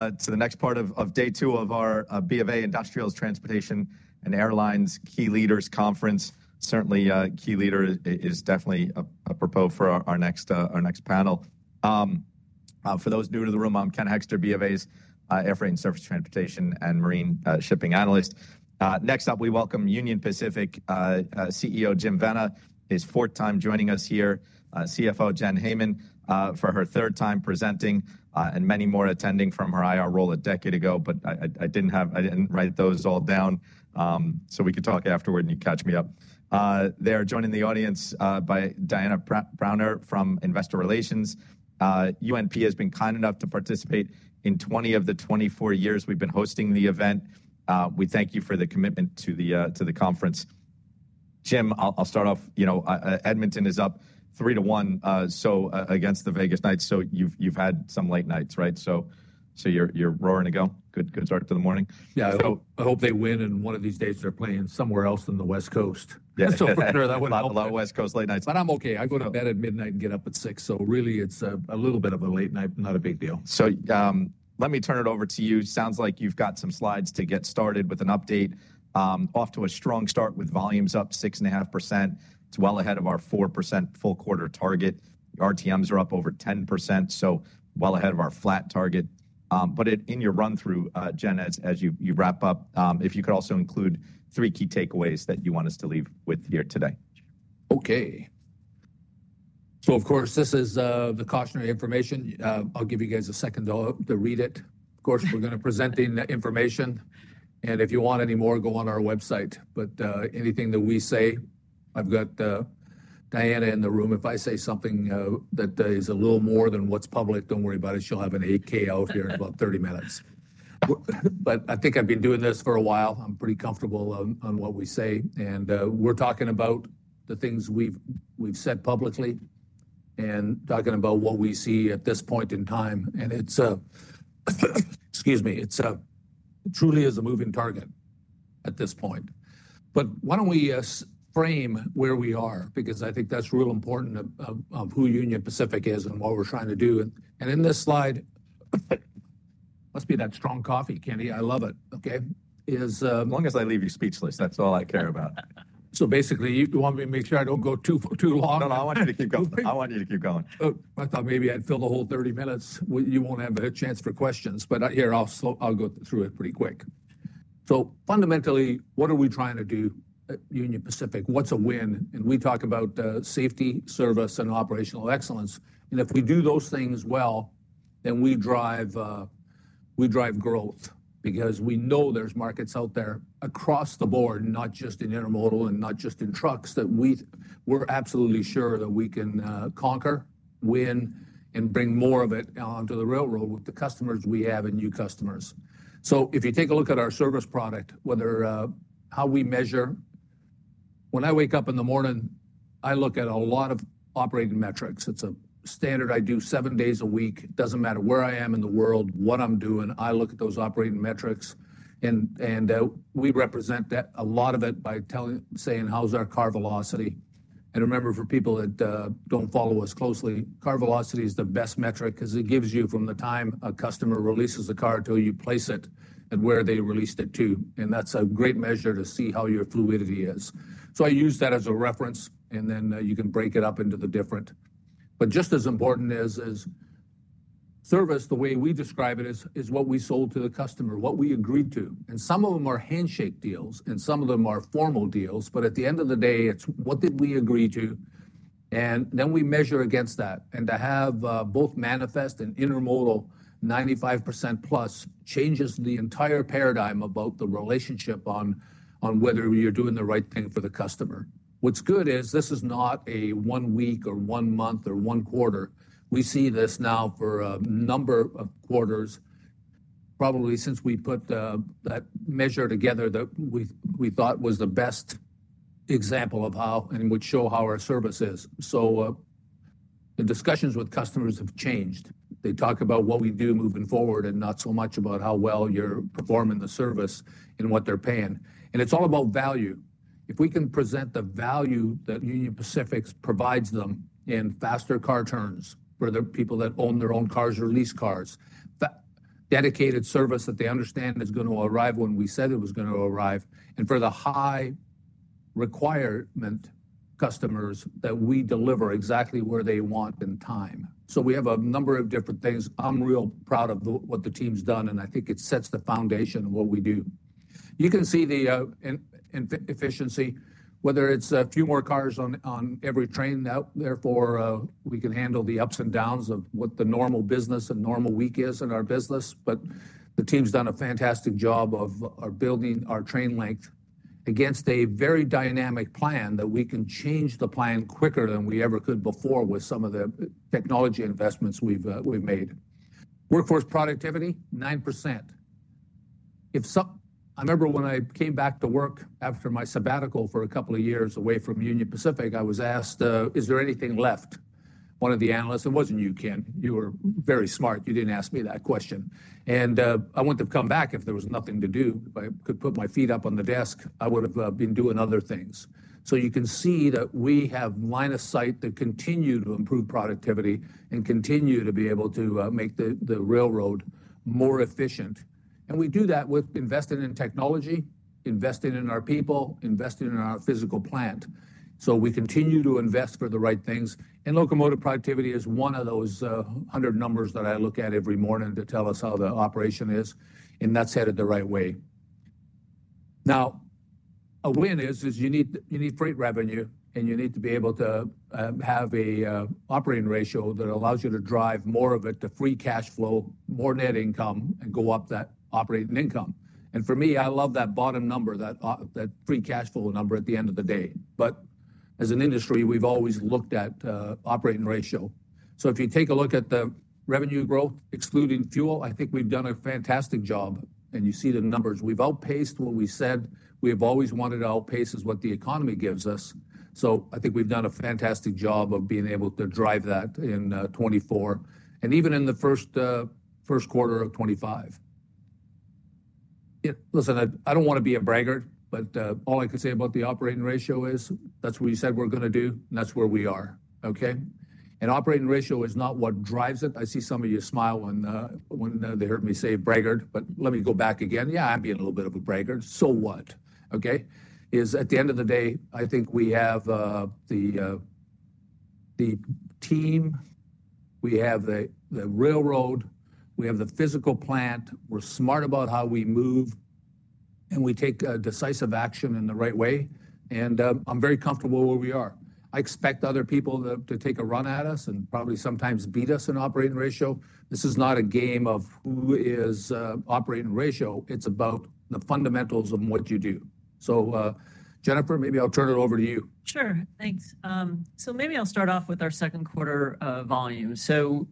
To the next part of Day Two of our B of A Industrials, Transportation, and Airlines Key Leaders Conference. Certainly, key leader is definitely a proposal for our next panel. For those new to the room, I'm Ken Hoexter, B of A's Airfreight Service Transportation and Marine Shipping analyst. Next up, we welcome Union Pacific CEO Jim Vena, his fourth time joining us here, CFO Jen Hamann for her third time presenting, and many more attending from her IR role a decade ago, but I didn't write those all down so we could talk afterward and you catch me up. They are joining the audience by Diana Browner from Investor Relations. UNP has been kind enough to participate in 20 of the 24 years we've been hosting the event. We thank you for the commitment to the conference. Jim, I'll start off. Edmonton is up three to one against the Vegas Knights, so you've had some late nights, right? So you're roaring to go? Good start to the morning? Yeah, I hope they win and one of these days they're playing somewhere else on the West Coast. Yeah, that's so fair. That wouldn't bother me. A lot of West Coast late nights. I am okay. I go to bed at midnight and get up at six, so really it is a little bit of a late night, not a big deal. Let me turn it over to you. Sounds like you've got some slides to get started with an update. Off to a strong start with volumes up 6.5%. It's well ahead of our 4% full quarter target. RTMs are up over 10%, so well ahead of our flat target. In your run-through, Jen, as you wrap up, if you could also include three key takeaways that you want us to leave with here today. Okay. So of course, this is the cautionary information. I'll give you guys a second to read it. Of course, we're going to be presenting the information, and if you want any more, go on our website. But anything that we say, I've got Diana in the room. If I say something that is a little more than what's public, don't worry about it. She'll have an AKO here in about 30 minutes. I think I've been doing this for a while. I'm pretty comfortable on what we say. We're talking about the things we've said publicly and talking about what we see at this point in time. Excuse me, it truly is a moving target at this point. Why don't we frame where we are? I think that's real important of who Union Pacific is and what we're trying to do. In this slide, must be that strong coffee, Kenny. I love it. Okay. As long as I leave you speechless, that's all I care about. So basically, you want me to make sure I don't go too long? No, no, I want you to keep going. I want you to keep going. I thought maybe I'd fill the whole 30 minutes. You won't have a chance for questions, but here, I'll go through it pretty quick. Fundamentally, what are we trying to do at Union Pacific? What's a win? We talk about safety, service, and operational excellence. If we do those things well, then we drive growth because we know there's markets out there across the board, not just in intermodal and not just in trucks, that we're absolutely sure that we can conquer, win, and bring more of it onto the railroad with the customers we have and new customers. If you take a look at our service product, how we measure, when I wake up in the morning, I look at a lot of operating metrics. It's a standard I do seven days a week. It doesn't matter where I am in the world, what I'm doing, I look at those operating metrics. We represent a lot of it by saying, how's our car velocity? Remember, for people that don't follow us closely, car velocity is the best metric because it gives you from the time a customer releases a car until you place it and where they released it to. That's a great measure to see how your fluidity is. I use that as a reference, and then you can break it up into the different. Just as important is service, the way we describe it is what we sold to the customer, what we agreed to. Some of them are handshake deals, and some of them are formal deals. At the end of the day, it's what did we agree to? We measure against that. To have both manifest and intermodal 95% plus changes the entire paradigm about the relationship on whether you're doing the right thing for the customer. What's good is this is not a one week or one month or one quarter. We see this now for a number of quarters, probably since we put that measure together that we thought was the best example of how and would show how our service is. The discussions with customers have changed. They talk about what we do moving forward and not so much about how well you're performing the service and what they're paying. It's all about value. If we can present the value that Union Pacific provides them in faster car turns for the people that own their own cars or lease cars, dedicated service that they understand is going to arrive when we said it was going to arrive, and for the high requirement customers that we deliver exactly where they want in time. We have a number of different things. I'm real proud of what the team's done, and I think it sets the foundation of what we do. You can see the efficiency, whether it's a few more cars on every train now. Therefore, we can handle the ups and downs of what the normal business and normal week is in our business. The team's done a fantastic job of building our train length against a very dynamic plan that we can change quicker than we ever could before with some of the technology investments we have made. Workforce productivity, 9%. I remember when I came back to work after my sabbatical for a couple of years away from Union Pacific, I was asked, "Is there anything left?" One of the analysts, it was not you, Ken. You were very smart. You did not ask me that question. I would not have come back if there was nothing to do. If I could put my feet up on the desk, I would have been doing other things. You can see that we have line of sight to continue to improve productivity and continue to be able to make the railroad more efficient. We do that with investing in technology, investing in our people, investing in our physical plant. We continue to invest for the right things. Locomotive productivity is one of those hundred numbers that I look at every morning to tell us how the operation is, and that's headed the right way. A win is you need freight revenue, and you need to be able to have an operating ratio that allows you to drive more of it to free cash flow, more net income, and go up that operating income. For me, I love that bottom number, that free cash flow number at the end of the day. As an industry, we've always looked at operating ratio. If you take a look at the revenue growth, excluding fuel, I think we've done a fantastic job. You see the numbers. We've outpaced what we said. We have always wanted to outpace what the economy gives us. I think we've done a fantastic job of being able to drive that in 2024 and even in the first quarter of 2025. Listen, I don't want to be a braggart, but all I can say about the operating ratio is that's what you said we're going to do, and that's where we are. Okay? Operating ratio is not what drives it. I see some of you smile when you heard me say braggart, but let me go back again. Yeah, I'm being a little bit of a braggart. So what? Okay? At the end of the day, I think we have the team, we have the railroad, we have the physical plant, we're smart about how we move, and we take decisive action in the right way. I'm very comfortable where we are. I expect other people to take a run at us and probably sometimes beat us in operating ratio. This is not a game of who is operating ratio. It's about the fundamentals of what you do. Jennifer, maybe I'll turn it over to you. Sure. Thanks. Maybe I'll start off with our second quarter volume.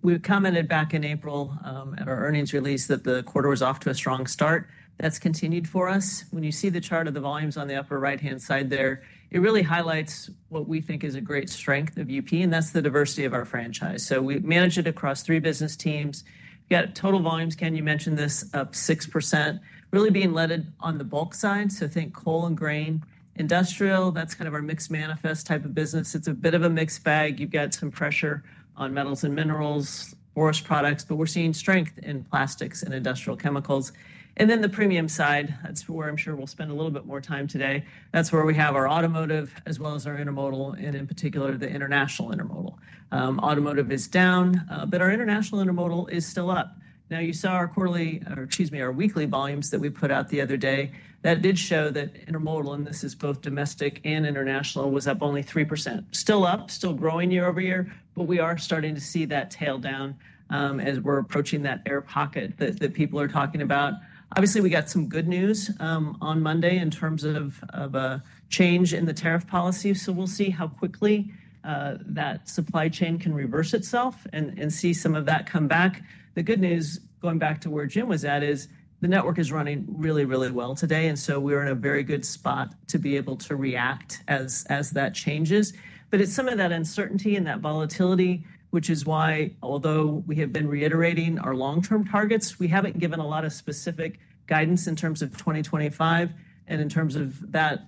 We commented back in April at our earnings release that the quarter was off to a strong start. That has continued for us. When you see the chart of the volumes on the upper right-hand side there, it really highlights what we think is a great strength of UP, and that is the diversity of our franchise. We manage it across three business teams. Got total volumes, Ken, you mentioned this, up 6%, really being led on the bulk side. Think coal and grain, industrial, that is kind of our mixed manifest type of business. It is a bit of a mixed bag. You have some pressure on metals and minerals, forest products, but we are seeing strength in plastics and industrial chemicals. The premium side, that is where I am sure we will spend a little bit more time today. That's where we have our automotive as well as our intermodal, and in particular, the international intermodal. Automotive is down, but our international intermodal is still up. Now, you saw our quarterly, or excuse me, our weekly volumes that we put out the other day. That did show that intermodal, and this is both domestic and international, was up only 3%. Still up, still growing YoY, but we are starting to see that tail down as we're approaching that air pocket that people are talking about. Obviously, we got some good news on Monday in terms of a change in the tariff policy. We will see how quickly that supply chain can reverse itself and see some of that come back. The good news, going back to where Jim was at, is the network is running really, really well today. We're in a very good spot to be able to react as that changes. It's some of that uncertainty and that volatility, which is why, although we have been reiterating our long-term targets, we haven't given a lot of specific guidance in terms of 2025 and in terms of that,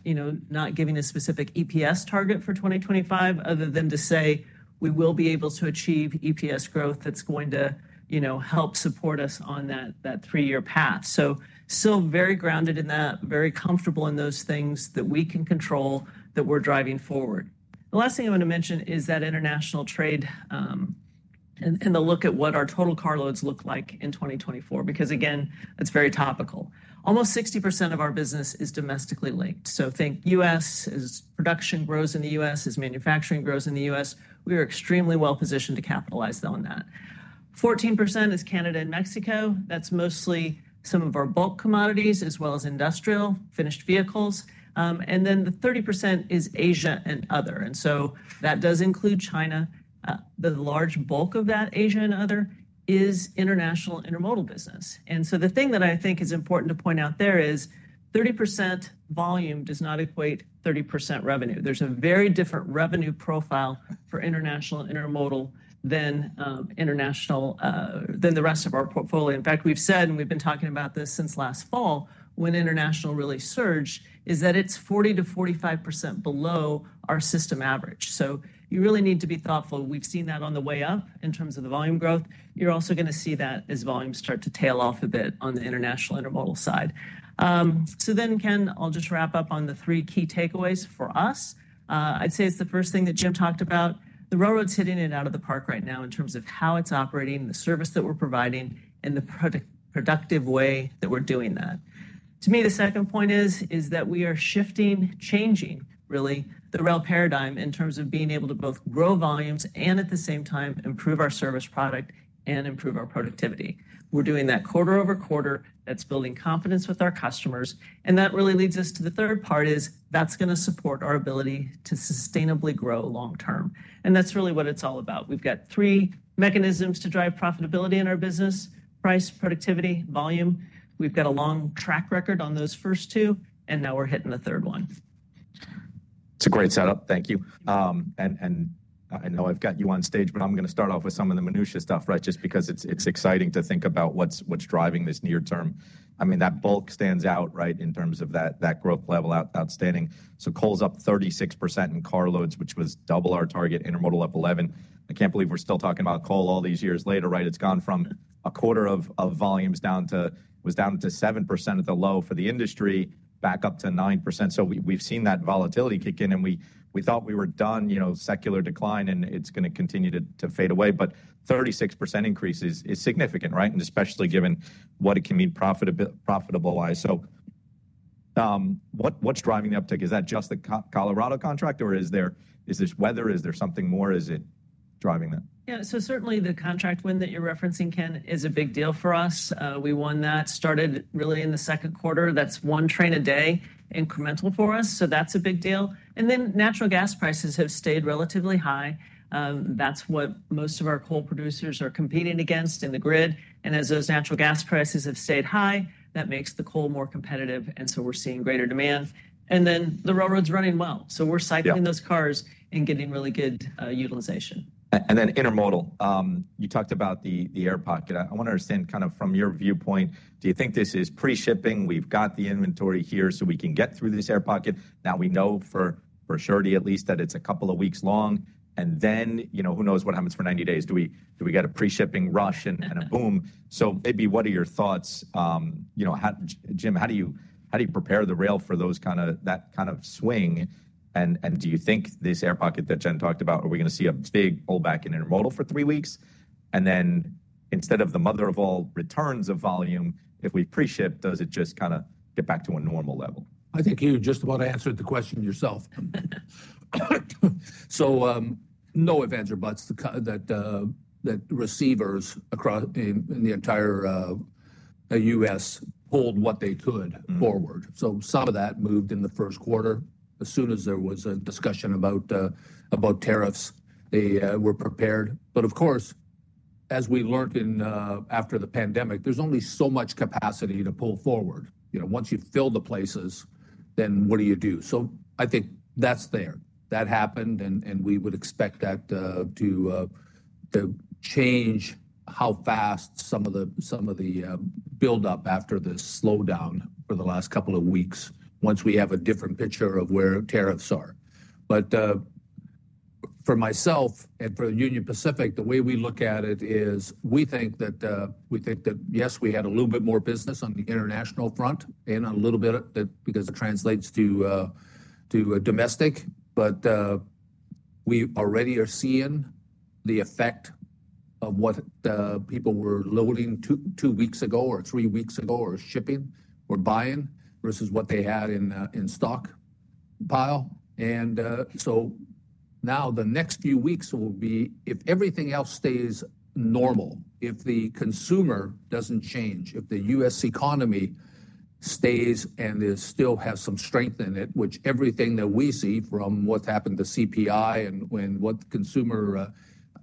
not giving a specific EPS target for 2025 other than to say we will be able to achieve EPS growth that's going to help support us on that three-year path. Still very grounded in that, very comfortable in those things that we can control that we're driving forward. The last thing I want to mention is that international trade and the look at what our total car loads look like in 2024, because again, that's very topical. Almost 60% of our business is domestically linked. Think U.S., as production grows in the U.S., as manufacturing grows in the U.S., we are extremely well positioned to capitalize on that. 14% is Canada and Mexico. That is mostly some of our bulk commodities as well as industrial, finished vehicles. The 30% is Asia and other. That does include China. The large bulk of that Asia and other is international intermodal business. The thing that I think is important to point out there is 30% volume does not equate to 30% revenue. There is a very different revenue profile for international intermodal than the rest of our portfolio. In fact, we have said, and we have been talking about this since last fall, when international really surged, that it is 40%-45% below our system average. You really need to be thoughtful. We've seen that on the way up in terms of the volume growth. You're also going to see that as volumes start to tail off a bit on the international intermodal side. Ken, I'll just wrap up on the three key takeaways for us. I'd say it's the first thing that Jim talked about. The railroad's hitting it out of the park right now in terms of how it's operating, the service that we're providing, and the productive way that we're doing that. To me, the second point is that we are shifting, changing, really, the rail paradigm in terms of being able to both grow volumes and at the same time improve our service product and improve our productivity. We're doing that QoQ. That's building confidence with our customers. That really leads us to the third part is that's going to support our ability to sustainably grow long-term. That is really what it's all about. We've got three mechanisms to drive profitability in our business: price, productivity, volume. We've got a long track record on those first two, and now we're hitting the third one. It's a great setup. Thank you. I know I've got you on stage, but I'm going to start off with some of the minutiae stuff, right, just because it's exciting to think about what's driving this near term. I mean, that bulk stands out, right, in terms of that growth level outstanding. Coal's up 36% in car loads, which was double our target, intermodal up 11. I can't believe we're still talking about coal all these years later, right? It's gone from a quarter of volumes down to was down to 7% at the low for the industry, back up to 9%. We've seen that volatility kick in, and we thought we were done, secular decline, and it's going to continue to fade away. 36% increase is significant, right? Especially given what it can mean profitable-wise. What's driving the uptick? Is that just the Colorado contract, or is this weather? Is there something more? Is it driving that? Yeah. Certainly the contract win that you're referencing, Ken, is a big deal for us. We won that, started really in the second quarter. That's one train a day, incremental for us. That's a big deal. Natural gas prices have stayed relatively high. That's what most of our coal producers are competing against in the grid. As those natural gas prices have stayed high, that makes the coal more competitive. We're seeing greater demand. The railroad's running well. We're cycling those cars and getting really good utilization. Intermodal. You talked about the air pocket. I want to understand kind of from your viewpoint, do you think this is pre-shipping? We've got the inventory here so we can get through this air pocket. Now, we know for surety at least that it's a couple of weeks long. Who knows what happens for 90 days? Do we get a pre-shipping rush and a boom? What are your thoughts? Jim, how do you prepare the rail for that kind of swing? Do you think this air pocket that Jen talked about, are we going to see a big pullback in intermodal for three weeks? Instead of the mother of all returns of volume, if we pre-ship, does it just kind of get back to a normal level? I think you just about answered the question yourself. No ifs, ands, or buts that receivers across the entire U.S. pulled what they could forward. Some of that moved in the first quarter as soon as there was a discussion about tariffs. They were prepared. As we learned after the pandemic, there is only so much capacity to pull forward. Once you fill the places, then what do you do? I think that is there. That happened, and we would expect that to change how fast some of the buildup after the slowdown for the last couple of weeks once we have a different picture of where tariffs are. For myself and for Union Pacific, the way we look at it is we think that yes, we had a little bit more business on the international front and a little bit because it translates to domestic. We already are seeing the effect of what people were loading two weeks ago or three weeks ago or shipping or buying versus what they had in stockpile. Now the next few weeks will be, if everything else stays normal, if the consumer does not change, if the U.S. economy stays and still has some strength in it, which everything that we see from what has happened to CPI and what consumer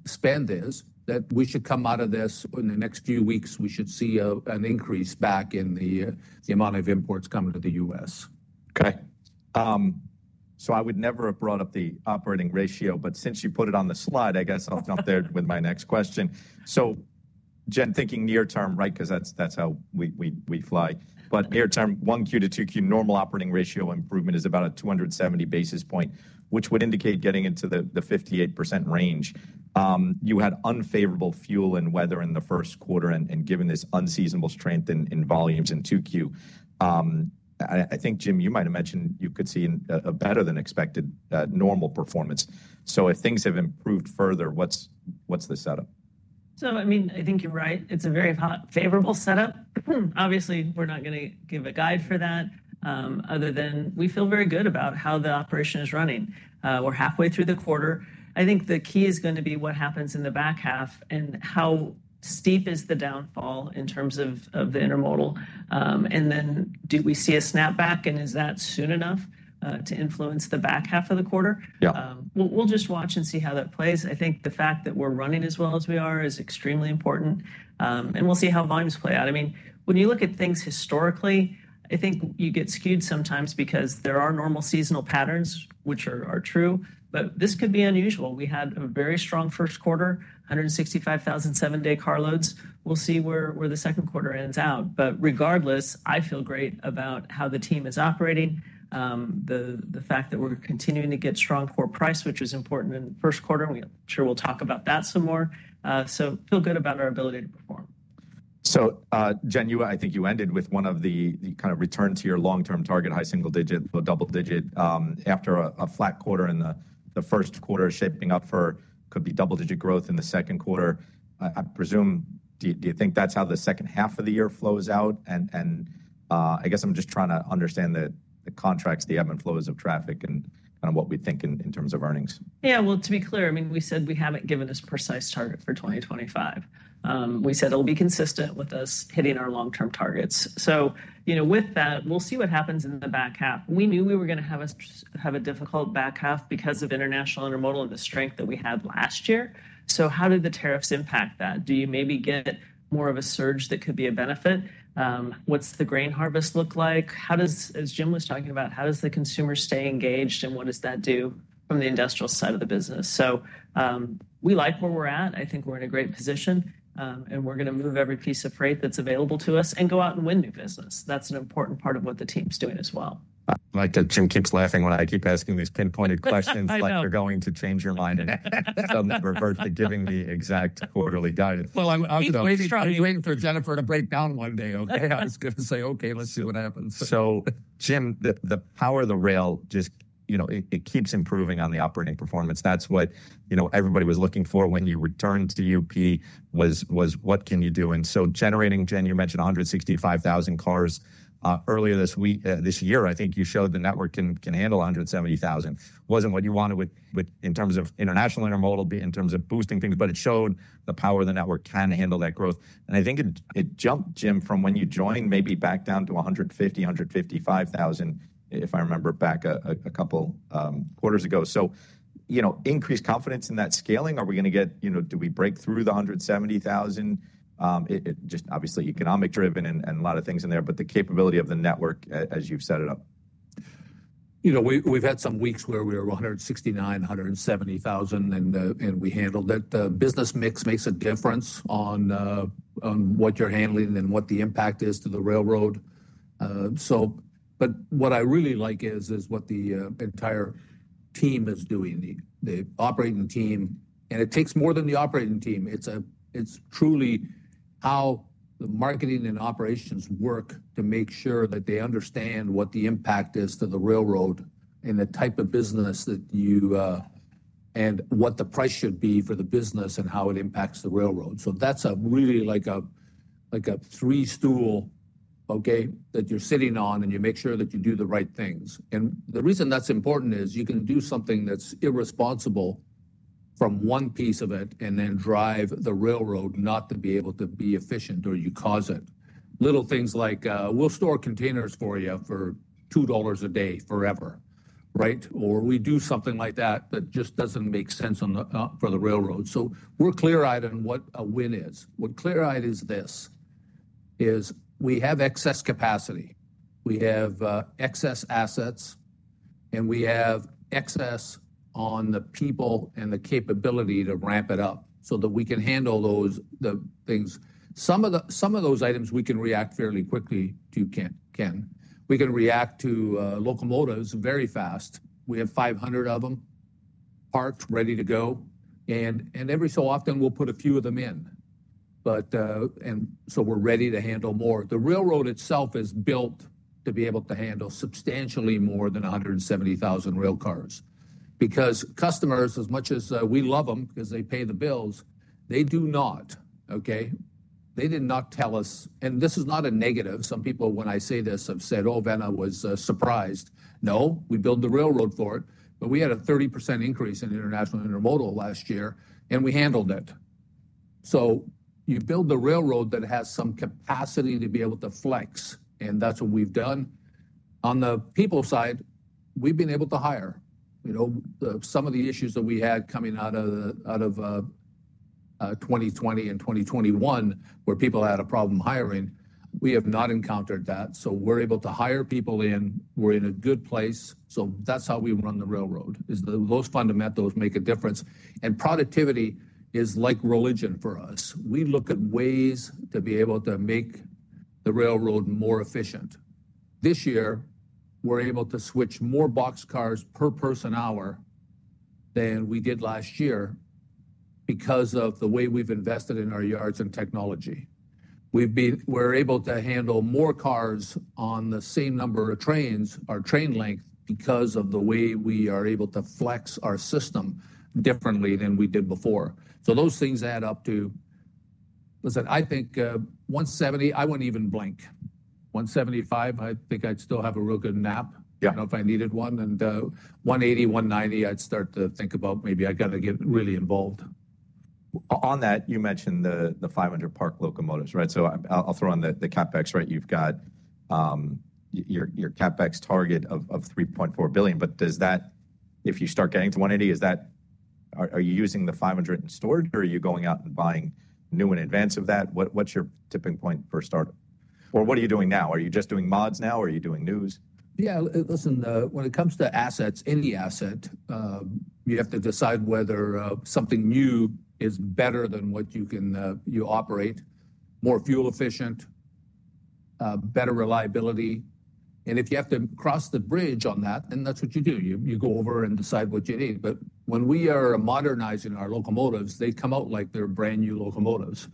spend is, that we should come out of this in the next few weeks, we should see an increase back in the amount of imports coming to the U.S. Okay. I would never have brought up the operating ratio, but since you put it on the slide, I guess I'll jump there with my next question. Jen, thinking near term, right, because that's how we fly. Near term, 1Q to 2Q normal operating ratio improvement is about a 270 basis point, which would indicate getting into the 58% range. You had unfavorable fuel and weather in the first quarter and given this unseasonable strength in volumes in 2Q. I think, Jim, you might have mentioned you could see a better than expected normal performance. If things have improved further, what's the setup? I mean, I think you're right. It's a very favorable setup. Obviously, we're not going to give a guide for that other than we feel very good about how the operation is running. We're halfway through the quarter. I think the key is going to be what happens in the back half and how steep is the downfall in terms of the intermodal. Then do we see a snapback? Is that soon enough to influence the back half of the quarter? Yeah. We'll just watch and see how that plays. I think the fact that we're running as well as we are is extremely important. We'll see how volumes play out. I mean, when you look at things historically, I think you get skewed sometimes because there are normal seasonal patterns, which are true. This could be unusual. We had a very strong first quarter, 165,007 day car loads. We'll see where the second quarter ends out. Regardless, I feel great about how the team is operating, the fact that we're continuing to get strong core price, which was important in the first quarter. I'm sure we'll talk about that some more. I feel good about our ability to perform. Jen, I think you ended with one of the kind of return to your long-term target, high-single digit, low-double digit. After a flat quarter in the first quarter shaping up for could be double digit growth in the second quarter, I presume, do you think that's how the second half of the year flows out? I guess I'm just trying to understand the contracts, the ebb and flows of traffic, and kind of what we think in terms of earnings. Yeah. To be clear, I mean, we said we have not given us a precise target for 2025. We said it will be consistent with us hitting our long-term targets. With that, we will see what happens in the back half. We knew we were going to have a difficult back half because of international intermodal and the strength that we had last year. How did the tariffs impact that? Do you maybe get more of a surge that could be a benefit? What does the grain harvest look like? As Jim was talking about, how does the consumer stay engaged and what does that do from the industrial side of the business? We like where we are at. I think we are in a great position, and we are going to move every piece of freight that is available to us and go out and win new business. That's an important part of what the team's doing as well. I like that Jim keeps laughing when I keep asking these pinpointed questions. Like you're going to change your mind and some number versus giving me exact quarterly guidance. I'm waiting for Jennifer to break down one day, okay? I was going to say, okay, let's see what happens. Jim, the power of the rail just keeps improving on the operating performance. That is what everybody was looking for when you returned to UP, was what can you do? Generating, Jen, you mentioned 165,000 cars earlier this year. I think you showed the network can handle 170,000. It was not what you wanted in terms of international intermodal, in terms of boosting things, but it showed the power of the network can handle that growth. I think it jumped, Jim, from when you joined maybe back down to 150,000-155,000, if I remember back a couple quarters ago. Increased confidence in that scaling? Are we going to get, do we break through the 170,000? Obviously economic driven and a lot of things in there, but the capability of the network as you have set it up. We've had some weeks where we were 169,000, 170,000, and we handled it. The business mix makes a difference on what you're handling and what the impact is to the railroad. What I really like is what the entire team is doing, the operating team. It takes more than the operating team. It's truly how the marketing and operations work to make sure that they understand what the impact is to the railroad and the type of business and what the price should be for the business and how it impacts the railroad. That's really like a three-stool, okay, that you're sitting on and you make sure that you do the right things. The reason that's important is you can do something that's irresponsible from one piece of it and then drive the railroad not to be able to be efficient or you cause it. Little things like, we'll store containers for you for $2 a day forever, right? Or we do something like that that just doesn't make sense for the railroad. We are clear-eyed on what a win is. What clear-eyed is this is we have excess capacity. We have excess assets, and we have excess on the people and the capability to ramp it up so that we can handle those things. Some of those items we can react fairly quickly to, Ken. We can react to locomotives very fast. We have 500 of them parked, ready to go. Every so often, we'll put a few of them in. We are ready to handle more. The railroad itself is built to be able to handle substantially more than 170,000 rail cars because customers, as much as we love them because they pay the bills, they do not, okay? They did not tell us. This is not a negative. Some people, when I say this, have said, "Oh, Vena was surprised." No, we built the railroad for it. We had a 30% increase in international intermodal last year, and we handled it. You build the railroad that has some capacity to be able to flex, and that's what we've done. On the people side, we've been able to hire. Some of the issues that we had coming out of 2020 and 2021 where people had a problem hiring, we have not encountered that. We are able to hire people in. We are in a good place. That is how we run the railroad. Those fundamentals make a difference. Productivity is like religion for us. We look at ways to be able to make the railroad more efficient. This year, we're able to switch more boxcars per person-hour than we did last year because of the way we've invested in our yards and technology. We're able to handle more cars on the same number of trains, our train length, because of the way we are able to flex our system differently than we did before. Those things add up to, listen, I think 170, I wouldn't even blink. 175, I think I'd still have a real good nap. I don't know if I needed one. 180, 190, I'd start to think about maybe I got to get really involved. On that, you mentioned the 500 park locomotives, right? I'll throw on the CapEx, right? You've got your CapEx target of $3.4 billion. Does that, if you start getting to 180, are you using the 500 in storage or are you going out and buying new in advance of that? What's your tipping point for startup? What are you doing now? Are you just doing mods now? Are you doing news? Yeah. Listen, when it comes to assets, any asset, you have to decide whether something new is better than what you operate, more fuel efficient, better reliability. If you have to cross the bridge on that, then that's what you do. You go over and decide what you need. When we are modernizing our locomotives, they come out like they're brand new locomotives.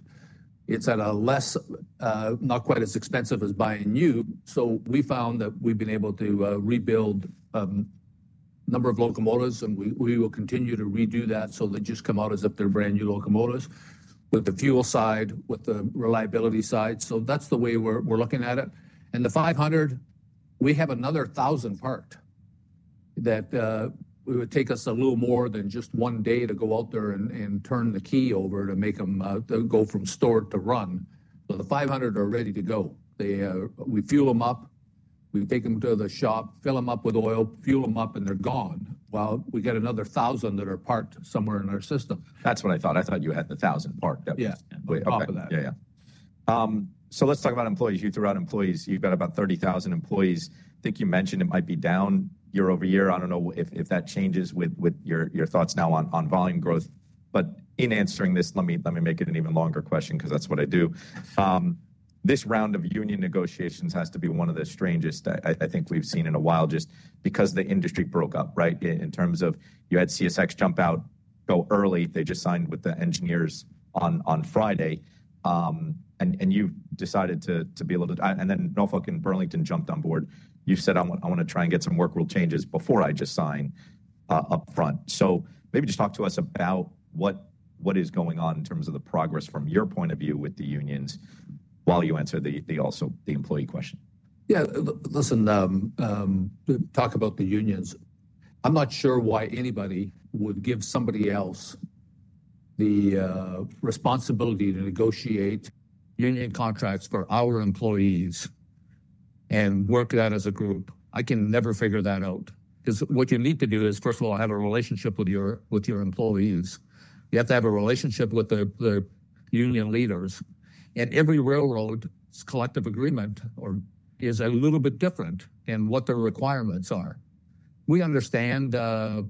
It's not quite as expensive as buying new. We found that we've been able to rebuild a number of locomotives, and we will continue to redo that so they just come out as if they're brand new locomotives with the fuel side, with the reliability side. That's the way we're looking at it. The 500, we have another 1,000 parked that would take us a little more than just one day to go out there and turn the key over to make them go from storage to run. The 500 are ready to go. We fuel them up. We take them to the shop, fill them up with oil, fuel them up, and they're gone while we get another 1,000 that are parked somewhere in our system. That's what I thought. I thought you had the 1,000 parked. Yeah. Yeah. Let's talk about employees. You threw out employees. You've got about 30,000 employees. I think you mentioned it might be down YoY. I don't know if that changes with your thoughts now on volume growth. In answering this, let me make it an even longer question because that's what I do. This round of union negotiations has to be one of the strangest I think we've seen in a while just because the industry broke up, right? In terms of you had CSX jump out, go early. They just signed with the engineers on Friday. You decided to be able to, and then Norfolk and Burlington jumped on board. You said, "I want to try and get some work rule changes before I just sign upfront." Maybe just talk to us about what is going on in terms of the progress from your point of view with the unions while you answer the employee question. Yeah. Listen, talk about the unions. I'm not sure why anybody would give somebody else the responsibility to negotiate union contracts for our employees and work that as a group. I can never figure that out. Because what you need to do is, first of all, have a relationship with your employees. You have to have a relationship with the union leaders. Every railroad's collective agreement is a little bit different in what their requirements are. We understand that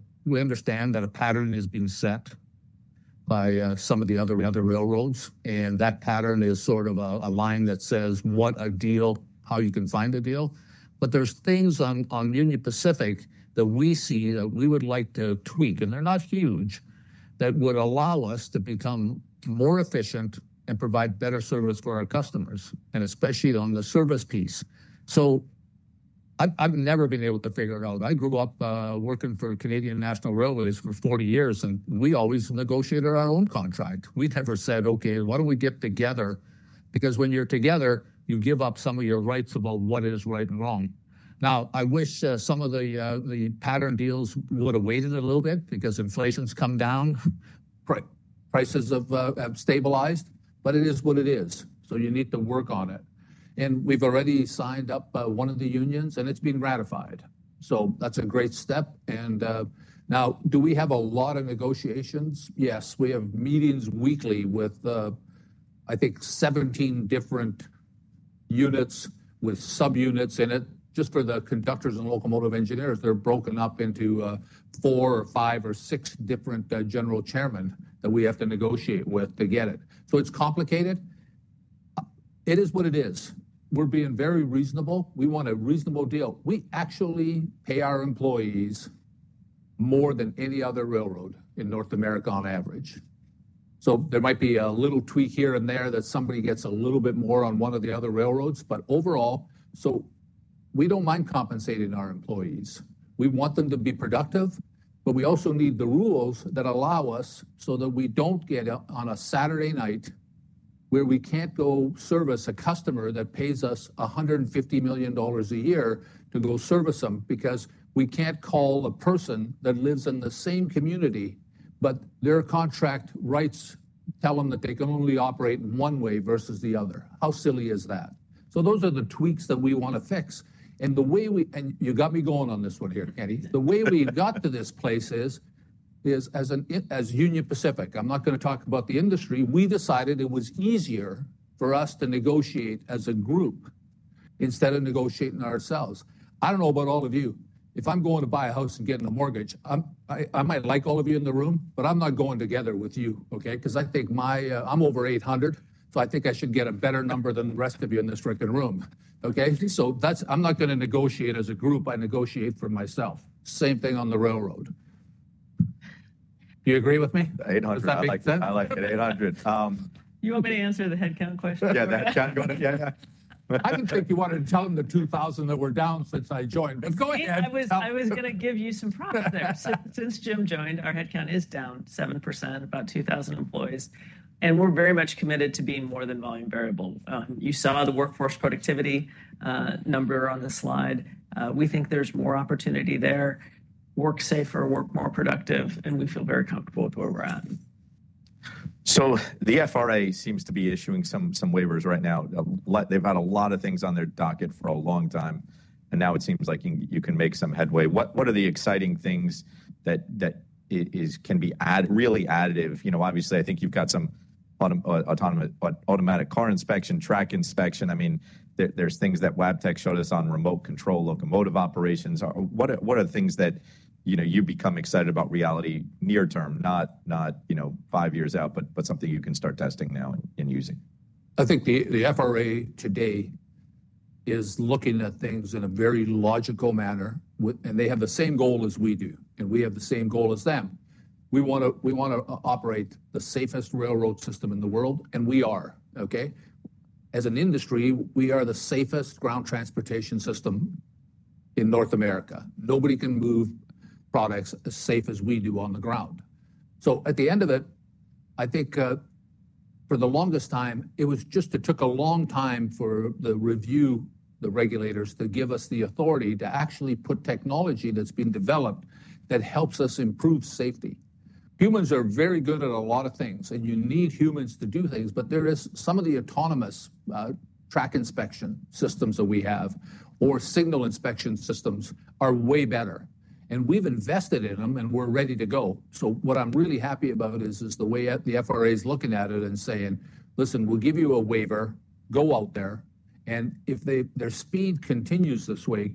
a pattern is being set by some of the other railroads. That pattern is sort of a line that says what a deal, how you can find a deal. There are things on Union Pacific that we see that we would like to tweak, and they're not huge, that would allow us to become more efficient and provide better service for our customers, especially on the service piece. I've never been able to figure it out. I grew up working for Canadian National Railway for 40 years, and we always negotiated our own contract. We never said, "Okay, why don't we get together?" Because when you're together, you give up some of your rights about what is right and wrong. I wish some of the pattern deals would have waited a little bit because inflation's come down, prices have stabilized, but it is what it is. You need to work on it. We've already signed up one of the unions, and it's been ratified. That's a great step. Now, do we have a lot of negotiations? Yes. We have meetings weekly with, I think, 17 different units with subunits in it. Just for the conductors and locomotive engineers, they're broken up into four or five or six different general chairmen that we have to negotiate with to get it. It is complicated. It is what it is. We're being very reasonable. We want a reasonable deal. We actually pay our employees more than any other railroad in North America on average. There might be a little tweak here and there that somebody gets a little bit more on one of the other railroads. Overall, we do not mind compensating our employees. We want them to be productive, but we also need the rules that allow us so that we do not get on a Saturday night where we cannot go service a customer that pays us $150 million a year to go service them because we cannot call a person that lives in the same community, but their contract rights tell them that they can only operate one way versus the other. How silly is that? Those are the tweaks that we want to fix. The way we—and you got me going on this one here, Kenny—the way we got to this place is, as Union Pacific, I am not going to talk about the industry, we decided it was easier for us to negotiate as a group instead of negotiating ourselves. I do not know about all of you. If I'm going to buy a house and get in a mortgage, I might like all of you in the room, but I'm not going together with you, okay? Because I think my—I'm over 800, so I think I should get a better number than the rest of you in this fricking room, okay? So I'm not going to negotiate as a group. I negotiate for myself. Same thing on the railroad. Do you agree with me? 800. Does that make sense? I like it. 800+. You want me to answer the headcount question? Yeah. I didn't think you wanted to tell him the 2,000 that were down since I joined, but go ahead. I was going to give you some prompts there. Since Jim joined, our headcount is down 7%, about 2,000 employees. We are very much committed to being more than volume variable. You saw the workforce productivity number on the slide. We think there is more opportunity there. Work safer, work more productive, and we feel very comfortable with where we are at. The FRA seems to be issuing some waivers right now. They've had a lot of things on their docket for a long time, and now it seems like you can make some headway. What are the exciting things that can be really additive? Obviously, I think you've got some automatic car inspection, track inspection. I mean, there's things that Wabtec showed us on remote control locomotive operations. What are the things that you become excited about reality near term, not five years out, but something you can start testing now and using? I think the FRA today is looking at things in a very logical manner, and they have the same goal as we do, and we have the same goal as them. We want to operate the safest railroad system in the world, and we are, okay? As an industry, we are the safest ground transportation system in North America. Nobody can move products as safe as we do on the ground. At the end of it, I think for the longest time, it was just—it took a long time for the review, the regulators, to give us the authority to actually put technology that has been developed that helps us improve safety. Humans are very good at a lot of things, and you need humans to do things, but there is some of the autonomous track inspection systems that we have or signal inspection systems are way better. We've invested in them, and we're ready to go. What I'm really happy about is the way the FRA is looking at it and saying, "Listen, we'll give you a waiver. Go out there." If their speed continues this way,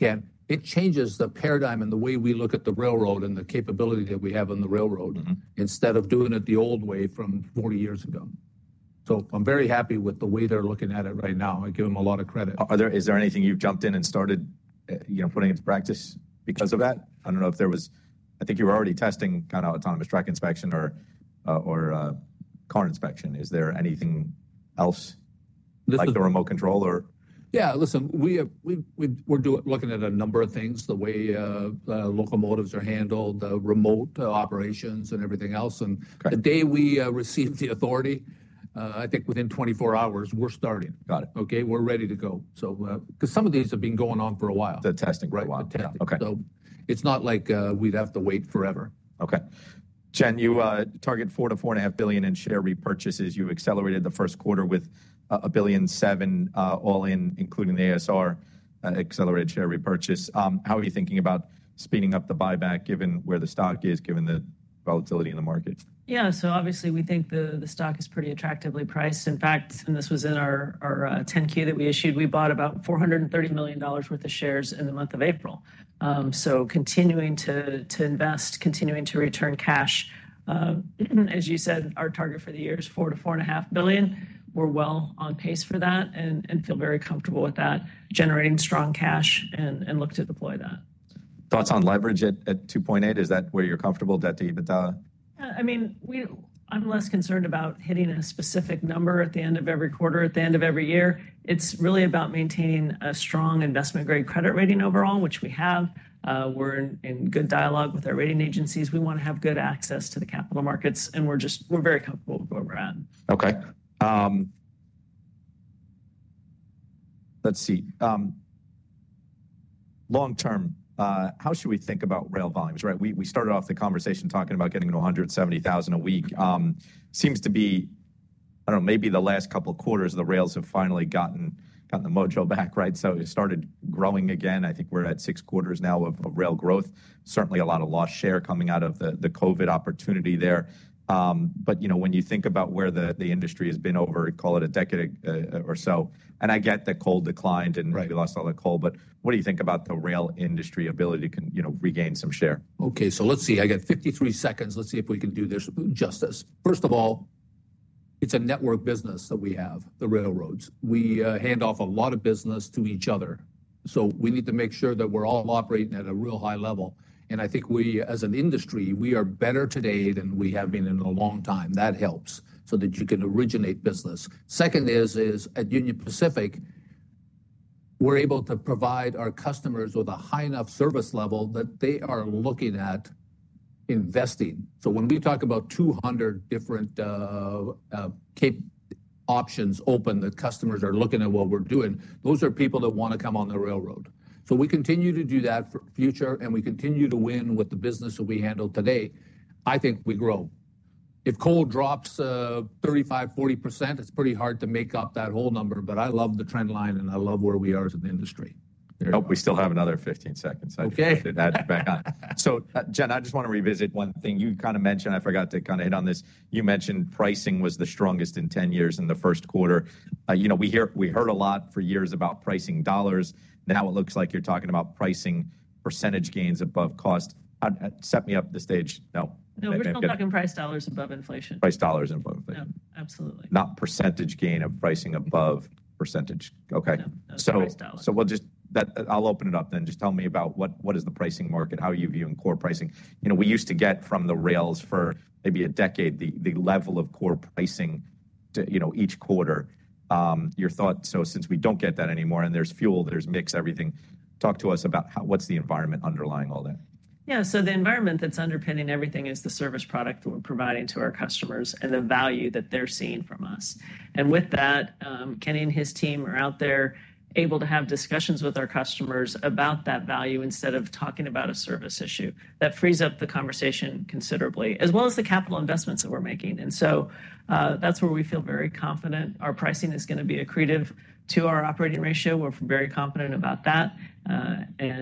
Ken, it changes the paradigm and the way we look at the railroad and the capability that we have on the railroad instead of doing it the old way from 40 years ago. I am very happy with the way they're looking at it right now. I give them a lot of credit. Is there anything you've jumped in and started putting into practice because of that? I don't know if there was—I think you were already testing kind of autonomous track inspection or car inspection. Is there anything else like the remote control or? Yeah. Listen, we're looking at a number of things, the way locomotives are handled, remote operations, and everything else. The day we receive the authority, I think within 24 hours, we're starting. Got it. Okay? We're ready to go, because some of these have been going on for a while. The testing for a while. The testing. It is not like we would have to wait forever. Okay. Jen, you target $4 billion-$4.5 billion in share repurchases. You accelerated the first quarter with $1.7 billion all in, including the ASR accelerated share repurchase. How are you thinking about speeding up the buyback given where the stock is, given the volatility in the market? Yeah. Obviously, we think the stock is pretty attractively priced. In fact, and this was in our 10Q that we issued, we bought about $430 million worth of shares in the month of April. Continuing to invest, continuing to return cash. As you said, our target for the year is $4 billion-$4.5 billion. We're well on pace for that and feel very comfortable with that, generating strong cash and look to deploy that. Thoughts on leverage at 2.8? Is that where you're comfortable? Debt to EBITDA? Yeah. I mean, I'm less concerned about hitting a specific number at the end of every quarter, at the end of every year. It's really about maintaining a strong investment-grade credit rating overall, which we have. We're in good dialogue with our rating agencies. We want to have good access to the capital markets, and we're very comfortable with where we're at. Okay. Let's see. Long term, how should we think about rail volumes, right? We started off the conversation talking about getting to 170,000 a week. Seems to be, I don't know, maybe the last couple of quarters, the rails have finally gotten the mojo back, right? It started growing again. I think we're at six quarters now of rail growth. Certainly, a lot of lost share coming out of the COVID opportunity there. When you think about where the industry has been over, call it a decade or so, and I get that coal declined and we lost all that coal, what do you think about the rail industry ability to regain some share? Okay. Let's see. I got 53 seconds. Let's see if we can do this justice. First of all, it's a network business that we have, the railroads. We hand off a lot of business to each other. We need to make sure that we're all operating at a real high level. I think we, as an industry, we are better today than we have been in a long time. That helps so that you can originate business. Second is, at Union Pacific, we're able to provide our customers with a high enough service level that they are looking at investing. When we talk about 200 different options open that customers are looking at what we're doing, those are people that want to come on the railroad. We continue to do that for the future, and we continue to win with the business that we handle today. I think we grow. If coal drops 35%-40%, it's pretty hard to make up that whole number, but I love the trend line, and I love where we are as an industry. We still have another 15 seconds. Okay. Jen, I just want to revisit one thing. You kind of mentioned—I forgot to kind of hit on this. You mentioned pricing was the strongest in 10 years in the first quarter. We heard a lot for years about pricing dollars. Now it looks like you're talking about pricing percentage gains above cost. Set me up the stage. No. No, we're talking price dollars above inflation. Price dollars above inflation. No. Absolutely. Not percentage gain of pricing above percentage. Okay. No. Price dollars. I'll open it up then. Just tell me about what is the pricing market, how are you viewing core pricing? We used to get from the rails for maybe a decade the level of core pricing each quarter. Your thoughts—since we do not get that anymore, and there is fuel, there is mix, everything—talk to us about what is the environment underlying all that? Yeah. The environment that's underpinning everything is the service product that we're providing to our customers and the value that they're seeing from us. With that, Ken and his team are out there able to have discussions with our customers about that value instead of talking about a service issue. That frees up the conversation considerably, as well as the capital investments that we're making. That's where we feel very confident. Our pricing is going to be accretive to our operating ratio. We're very confident about that.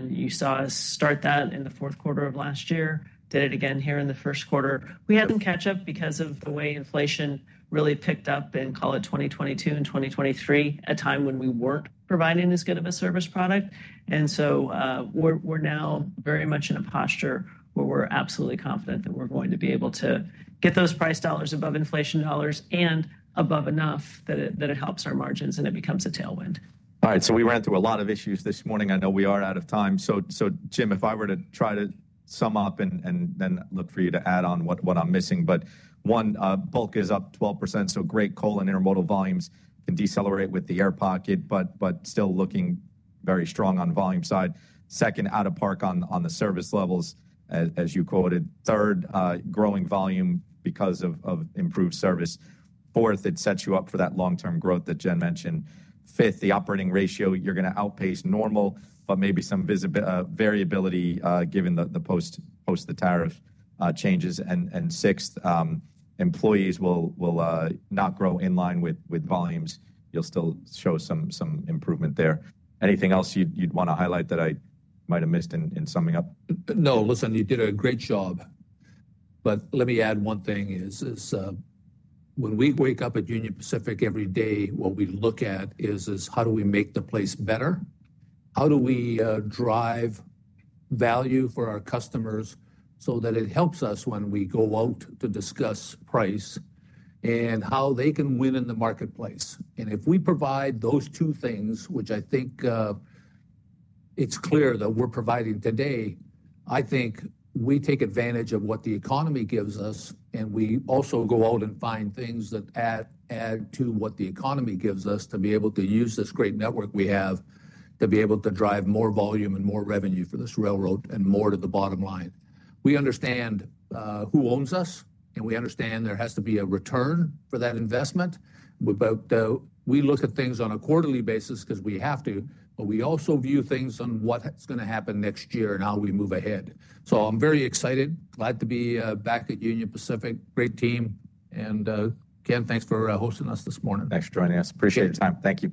You saw us start that in the fourth quarter of last year, did it again here in the first quarter. We had some catch-up because of the way inflation really picked up in, call it 2022 and 2023, a time when we weren't providing as good of a service product. We're now very much in a posture where we're absolutely confident that we're going to be able to get those price dollars above inflation dollars and above enough that it helps our margins and it becomes a tailwind. All right. So we ran through a lot of issues this morning. I know we are out of time. Jim, if I were to try to sum up and then look for you to add on what I'm missing. One, bulk is up 12%. Great coal and intermodal volumes can decelerate with the air pocket, but still looking very strong on the volume side. Second, out of park on the service levels, as you quoted. Third, growing volume because of improved service. Fourth, it sets you up for that long-term growth that Jen mentioned. Fifth, the operating ratio, you're going to outpace normal, but maybe some variability given the post-the-tariff changes. Sixth, employees will not grow in line with volumes. You'll still show some improvement there. Anything else you'd want to highlight that I might have missed in summing up? No. Listen, you did a great job. Let me add one thing. When we wake up at Union Pacific every day, what we look at is how do we make the place better? How do we drive value for our customers so that it helps us when we go out to discuss price and how they can win in the marketplace? If we provide those two things, which I think it's clear that we're providing today, I think we take advantage of what the economy gives us, and we also go out and find things that add to what the economy gives us to be able to use this great network we have to be able to drive more volume and more revenue for this railroad and more to the bottom line. We understand who owns us, and we understand there has to be a return for that investment. We look at things on a quarterly basis because we have to, but we also view things on what's going to happen next year and how we move ahead. I am very excited, glad to be back at Union Pacific. Great team. Ken, thanks for hosting us this morning. Thanks for joining us. Appreciate your time. Thank you.